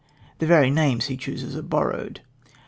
The very names he chooses are borrowed.